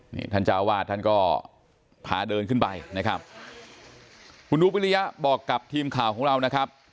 นี่ท่านเจ้าวาดท่านก็พาเดินขึ้นไปนะครับคุณอุปิริยะบอกกับทีมข่าวของเรานะครับ